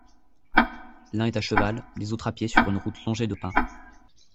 L'un est à cheval, les autres à pied sur une route longée de pins.